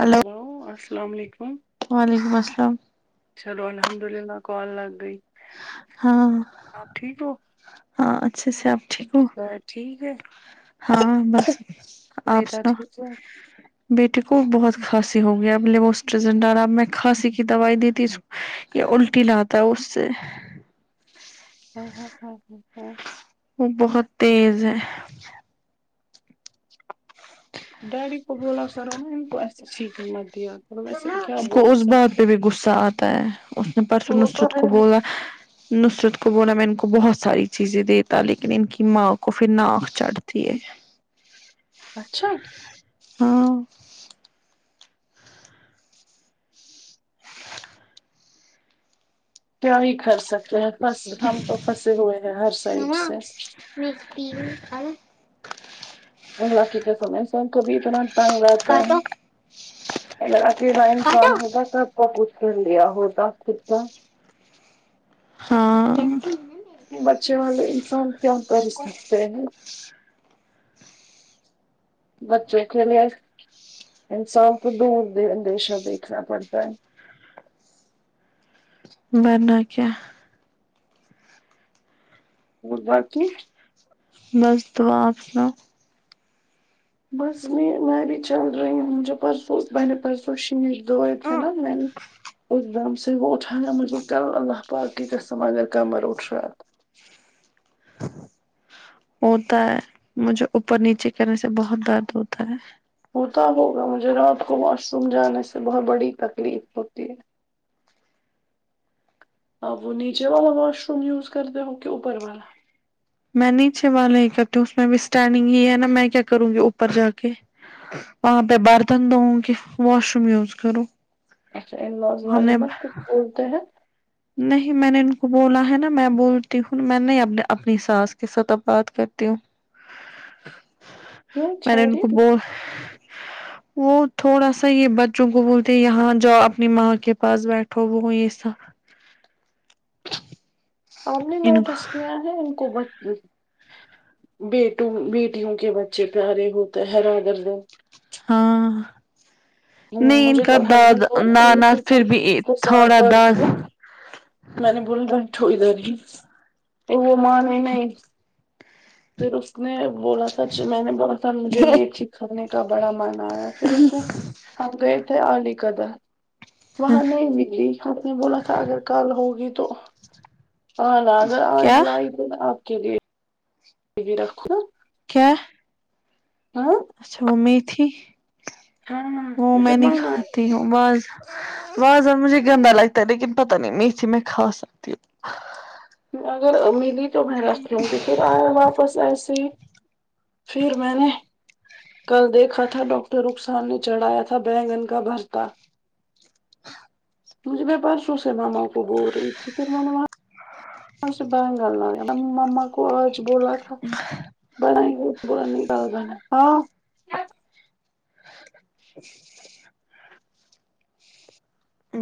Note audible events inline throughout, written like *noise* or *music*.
hello hello السلام علیکم وعلیکم السلام چلو الحمد اللہ کال لگ گئی ہاں آپ ٹھیک ہو ہاں اچھے سے آپ ٹھیک ہو ب ٹھیک ہے ہاں بس اپ بیٹا سناو ٹھیک ہے ہاں بیٹے کو بہت کھانسی ہو گیا اب وہ لیبو سٹرزن دالا اب میں کھانسی کی دوائی دتی اس کو یا الٹی لاتا ہے اس سے ہ ہاں ہ *unintelligible* وہ بہت تیز ہے ڈیڈی کو بولا سرا تو مت ایسے چھن مت دیا کرو ویسے کیا اس کو بول اس بات سکتے پہ بھی غصہ اتا ہے اس نے پرسو وہ تو نصرت ہے کو بولا نصرت کو بولا میں ان کو بہت ساری چیزیں دیتا لیکن ان کی ماں کو پھر ناک چڑھتی ہے اچھا ہاں کیا ہی کر سکتے ہیں ہم تو پھنسے ہوئے ہیں ہر سائڈ سے می وی پر اللہ کی قسم ہے ایسا ہم کبھی اتنا ٹنگ رہتا ہے اگر اکیلا انسان ہوتا کب کا کچھ کرلیا ہوتا کتنا ہاں کہ بچے والے انسان کیاکر سکتے ہیں بچوں کے لیے انسان کو دور د اندیشہ دیکھنا پڑتا ہے ورنہ کیا *unintelligible* بس تو اپ سناو بس میں میں بھی چل رہی ہوں میں نے پرسوں شیش دھوئے تھے نہ ایک دم سے وہ اٹھانا مجھے کر اللہ پاک کی قسم اگر کمر اٹھ راہا ہے تو ہوتا ہے مجھے اوپر نیچے کرنے سے بہت درد ہوتا ہے ہوتا ہوگا مجھے رات کو اور سم جانے سے بہت بڑی تکلیف ہوتی ہے آپ وہ نیچے والا واش روم یوز کرتے ہو کہ اوپر والا میں نیچے والے ہی کرتی ہوں اس میں بھی اسٹینڈنگ ہی ہے نا میں کیا کروں گی اوپر جا کے وہاں پہ برتن دھو کہ واش روم یوز کروں اچھا ان لاس ہم والے نے نا کچھ بولتے ہیں نہیں میں نے ان کو بولا ہے نا میں بولتی ہوں میں نے اپنی ساس کے ساتھ اب بات کرتی ہوں کیوں میں نے ان کو خیریت بو وہ تھوڑا سا یہ بچوں کو بولتے یہاں جاو اپنی ماں کے پاس بیٹھو وہ یہ سا آپ نے ان کو نوٹس کیا ہے ان کو بتتی بیٹوں بیٹیوں کے بچے پیارے ہوتے حیران گردن ہاں ہمم نہیں ان مجھے کا کل داد ہسبینڈ بولے نانا پھر بھی سھ تھوڑا بات داد کر *unintelligible* میں نے بولی ب ٹھوئی داری وہ مان نہیں پھر اس نے بولا تھا جو میں نے بولا تھا مجھے میں کرنے کا بڑا من ایا پھر اس میں ہم گئے تھے علی قدار وہاں نہیں نکری اپ نے بولا تھا اگر کل ہوگی تو اان اگر اج کیا لائی گ میں آپ کے لیے بھی رکھو نا کیا ہاں اچھا وہ میتھی ہاں وہ مجھے میں نہیں من آیا کھاتی ہوں واز وازان مجھے گندا لگتا ہے لیکن پتہ نہیں میتھی میں کھا سکتی ہوں اگر ملی تو میں رکھلوں ہوں گی پھر ایا واپس ایسے ہی پھر میں نے کل دیکھا تھا ڈاکٹر رخسار نے چڑھایا تھا بینگن کا بھرتا مجھے میں پرسوں سے ماما کو بول رہی تھی کہ ماما وہاں سے بیگن لاۓ ماما کو آج بولا تھا *unintelligible*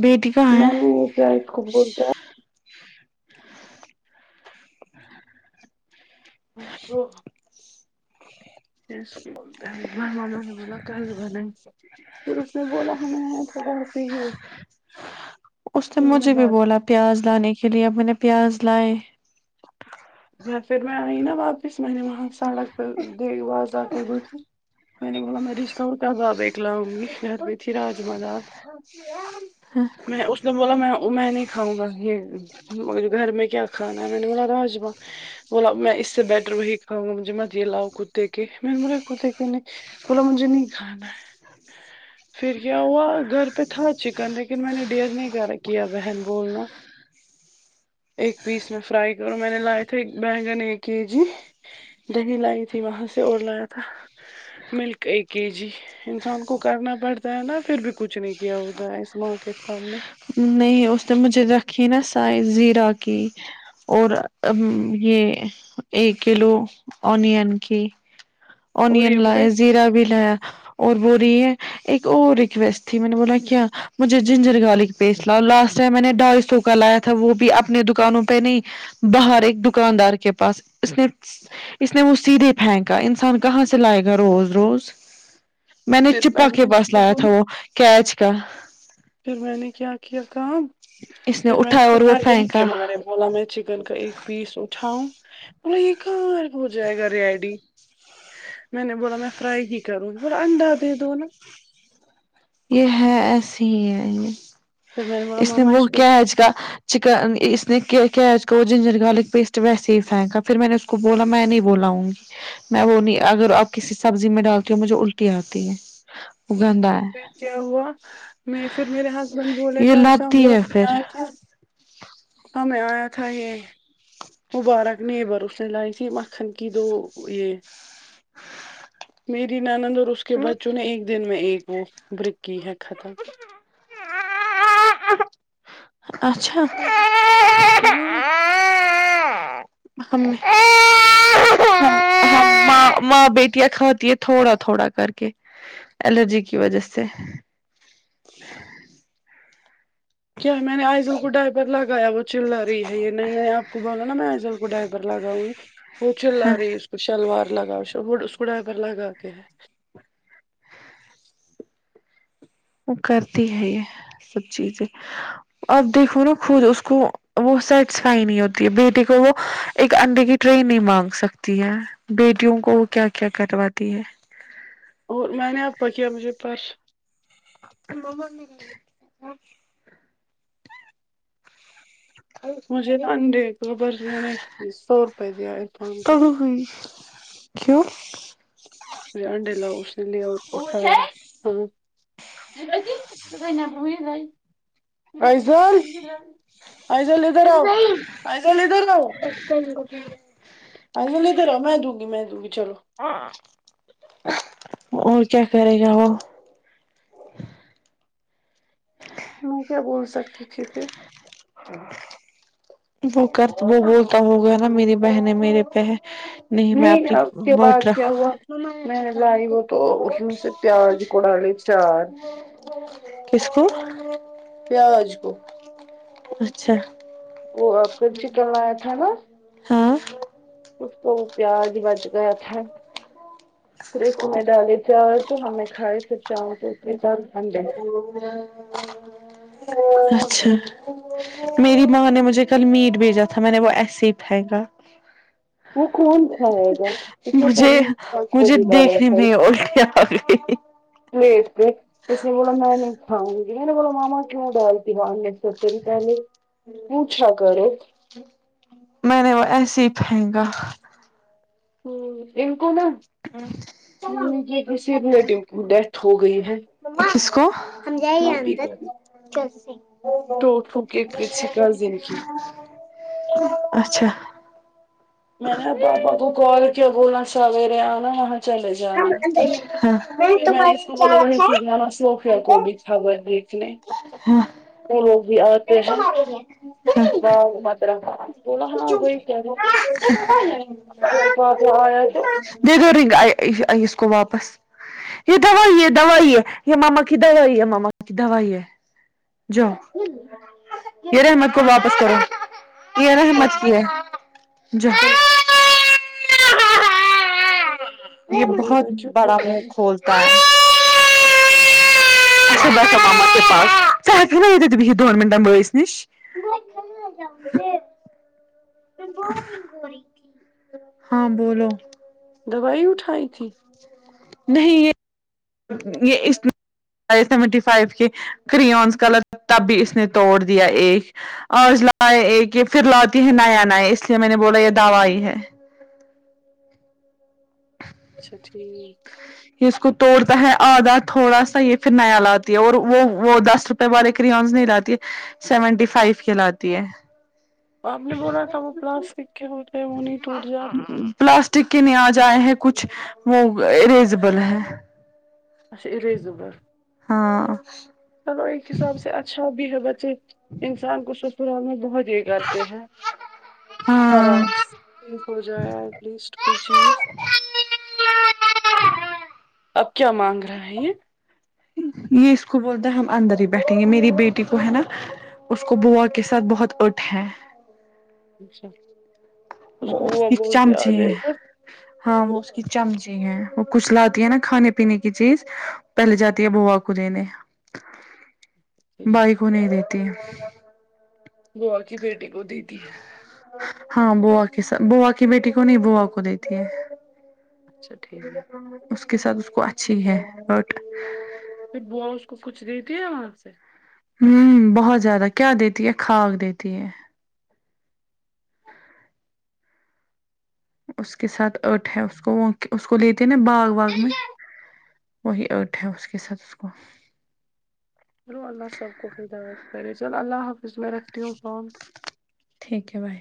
بیٹی کا میں نے *unintelligible* ماما نے بلا کال بنائی پھر اس نے بولا ہمیں یہاں *unintelligible* اس نے مجھے بھی بولا پیاز لانے کے لیے اب میں نے پیاز لائے پھر میں آئی نہ واپس میں نے وہاں سڑک پہ *unintelligible* میں نے بولا میں *unintelligible* کبابایک لاؤںگی کر رہی تھی راجما میں اس کو بولا میں میں نہیں کھاؤںگا یہ گھر میں کیا کھانا ہے میں نے بولا راجما بولا میں اس سے بیٹر وہی کھاوںگا مجھے مت یہ لاؤ کتے کے میں نے بولے کتے کے نہیں بولا مجھے نہیں کھانا ہے پھر کیا ہوا گھر پہ تھا چکن لیکن میں نے ڈیر نہیں کرا کیا بہن بولنا ایک پیس میں فرائی کروں میں نے لائے تھے بیگن ایک کے جی دہی لائی تھی وہاں سے اور لایا تھا ملک ایک کے جی انسان کو کرنا پڑتا ہے نا پھر بھی کچھ نہیں کیا ہوتا ہے اس ماں کے سامنے نہیں اس نے مجھے رکھی نا شاہی زیرہ کی اور یہ ایک کلو اونین کی اور یہ اونین پھر لایا زیرا بھی لایا اور بول رہی ہے ایک اور ریکویسٹ تھی میں نے بولا کیا مجھے جنجر گارلک پیسٹ لاؤ لاسٹ ٹائم میں نے ڈھائی سو کا لایا تھا وہ بھی اپنے دکانوں پہ نہیں باہر ایک دکاندار کے پاس اس نے اس نے وہ سیدھے پھینکا انسان کو کہاں سے لائیگا روز روز میں نے پھر چھپا کے نے اس بس کو لایا تھا بولا وہ کیچ کا پھر میں نے کیا کیا کام اس پھر میں نے اٹھایا اسکو اور وہ پھینکا *unintelligible* بولا میں چکن کا ایک پیس اٹھاؤں بولا یہ کاب ہو جائیگا ریڈی میں نے بولا میں فرائی ہی کروں بولا انڈا دے دو نا یہ ہے ایسے ہی ہے یہ پھر میں بولا اس نے ماما وہ کو کیچ کا چکن اس نے کیچ کو جنجر گارلک پیسٹ ویسے ہی پھینکا پھر میں نے اس کو بولا میں نہیں بول آؤںگی میں وہ نہیں اگر آپ کسی سبزی میں ڈالتی ہو مجھے الٹی آتی ہے وہ گندا ہے پھر کیا ہوا میں پھر میرے ہسبینڈ بولے یہ کل شام لبتی ہے پھر *unintelligible* ہاں میں آیا تھا یہ مبارک نیبر اس نے لائی تھی مکھن کی دو یہ میری نند اور اس کے بچوں نے ایک دن میں ایک وہ برک کی ہے ختم *inaudible* اچھا ہاں ہم ہم ہم ماں ماں بیٹیاں کھاتی ہے تھوڑا تھوڑا کر کے الرجی کی وجہ سے کیا میں نے آئزل کو ڈائپر لگایا وہ چلا رہی ہے یہ نہیں آپ کو بولا نا میں آ ئزل کو ڈایپر لگاؤں گی وہ چلا ہاں رہی ہے اس کو شلوار لگاؤ وہ اسکو ڈائپر لگا کے ہے وہ کرتی ہے یہ سب چیزیں آپ دیکھو نا خود اس کو وہ سیٹسفائی نہیں ہوتی ہے بیٹے کو وہ ایک انڈے کی ٹریے نہیں مانگ سکتی ہے بیٹیوں کو وہ کیا کیا کرواتی ہے اور میں نے آپا کیایا مجھے پس ب ل *unintelligible* مجھے نا انڈے بس میں نے سو روپئے دیا عرفان کو ہوں کیوں بھی انڈے لاؤ اس نے لے اور ہاں تو توئی نبو جائی *unintelligible* ائزل ائزل ادھر آؤ ائزل ادھر آؤ ج گ ج *unintelligible* ائزل ادھرآو میں دو گی میں دو گی چلو اور کیا کرے گا وہ میں کیا بول سکتی تھی پھر ہ وہ کرتا وہ بولتا ہو گیا نا میری بہنیں میرے پہ ہے نہیں میں اپنی اب اس کے بعد ووٹ کیا ہوا رکھوں میں نے لائی وہ تو اس میں سے پیاز کو ڈالے چار کسکو پیاز کو اچھا وہ اب پھر چکن لایا تھا نا ہاں اس کو پیاز بج گیا تھا پ میں ڈالے چا تو ہم نے کھائے سب چاول کے ساتھ انڈے اچھا میری ماں نے مجھے کل میٹ بھیجا تھا میں نے وہ ایسے ہی پھینکا وہ کون کھائے گا اس میں مجھے پنیر مجھے گوبھی ڈالا دیکھنے تھا میں الٹی آ گئی پلیٹ پے جس نے بولا میں نہی کھاؤں گی میں نے بول مما کیوں ڈالتی ہو پری س نے پوچھا کرو *unintelligible* میں نے وہ ایسے ہی پھینکا ہ ان کو نا یہ کسی رلیٹو کی ڈیتھ ہو گئی ہے ماسکو ہم جیں گے یہ اندر جل سے ٹوک پھوک کےک کرتس سےک کا زندگی *unintelligible* اچھا میں نے پاپا کول کیا بولنا سورے آنا وہ چلے جانا ہاں پھر میں نے اس کو بولا وہیں سے جانا صوفیا کو بھی تھا وہ دیکھنے ہاں وہ لوگ بھی آتے ہیں واہ متر تھولہ ہنا ا کیا د *unintelligible* اور پ آ س آ *unintelligible* دید رگ اس کو واپس *unintelligible* یہ دوائی ہے دوائی ہے یہ ماما کی دوائی ہے ماما کی دوائی ہے جؤ رحمت کو واپس کرو کی نا چلو ہممت کی ہے ج چلو *unintelligible* یہ آپ کو بہت بے چپ بڑا ہو رہا منہ ہے کھولتا ہے پن بت دون منٹن بٮیس نیش *unintelligible* ہاں بولو دوائی اٹھائی تھی نہیں یہ یہ اس فاںی سیونٹی فائیو کے کریونس کلر تب بھی اس نے توڑ دیا ایک آج لائے کہ پھر لاتی ہے نیا نیا اس لیے میں نے بولا یہ دواںی ہی ہے اچھا ٹھیک یہ اس کو توڑتا ہے آدھا تھوڑا سا یہ پھر نیا لاتی ہے اور وہ وہ دس والے کریونس نہیں لاتی ہے سیونٹی فائیو کی لاتی ہے آپ نے بولا تھا وہ پلاسٹک کے ہوتے ہیں وہ نہیں ٹوٹ جاتے *unintelligible* پلاسٹک کے ن آج آئے ہیں کچھ وہ اریزیبل ہے اچھا اریزبل ہاں چلو ایک حساب سے اچھا بھی ہے بچے انسان کو سسرال میں بہت یہ کرتے ہیں ہاں ہراس ہو جائے ایٹ لیسٹ کوئی چیز اب کیا مانگ رہے ہے یہ یہ اس کو بولتا ہے ہم اندر ہی بیٹھیں گے میری بیٹی کو ہے نا اس کو بوا کے ساتھ بہت اٹھ ہے اچھا اس وہ کو بوا کی بہت یاد چمچے ہے ہیں اگر ہاں وہ اس کی چمچی ہے وہ کچھ لاتی ہے نا کھانے پینے کی چیز پہلے جاتی ہے بوا کو دینے بھائی کو نہیں دیتی بوا کی بیٹی کو دیتی ہے ہاں بوا کے ساتھ بوا کی بیٹی کو نہیں بوا کو دیتی ہے اچھا ٹھیک اس کے ساتھ اس کو اچھی ہے بٹ پھر بوا اس کو کچھ دیتی ہے وہاں سے وں بہت زیادہ کیا دیتی ہے خاک دیتی ہے اس کے ساتھ اٹھ ہے اس کو وہ اس کو لیتے نا باغ واغ میں وہی ارٹ ہے اس کے ساتھ اس کو چلو اللہ سب کو ہدایت کرے چلو اللہ حافظ اس میں رکھتی ہوں فون ٹھیک ہے بھائی